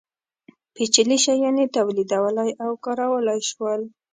پېچلي شیان یې تولیدولی او کارولی شول.